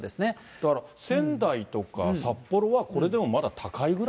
だから仙台とか札幌は、これでもまだ高いぐらい？